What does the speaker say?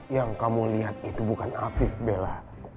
yang kamu lihat itu bukan afif bela